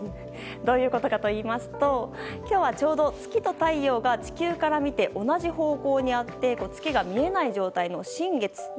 どういうことかといいますと今日は月と太陽が地球から見て同じ方向にあって月が見えない新月。